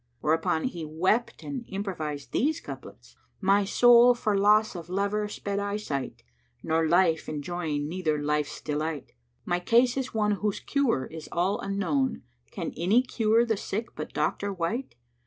Whereupon he wept and improvised these couplets, "My soul for loss of lover sped I sight; * Nor life enjoying neither life's delight: My case is one whose cure is all unknown; * Can any cure the sick but doctor wight?